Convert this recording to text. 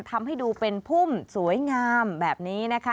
ทำให้ดูเป็นพุ่มสวยงามแบบนี้นะคะ